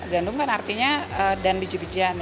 gandum kan artinya dan biji bijian